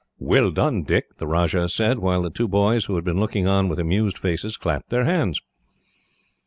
"Well done, Dick," the Rajah said, while the two boys, who had been looking on with amused faces, clapped their hands.